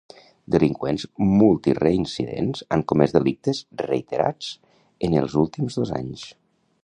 Delinqüents multireincidents han comès delictes reiterats en els últims dos anys.